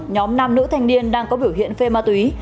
nhóm nam nữ thanh niên đang có biểu hiện phê ma túy